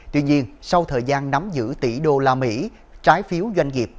tuy nhiên sau thời gian nắm giữ tỷ đô la mỹ trái phiếu doanh nghiệp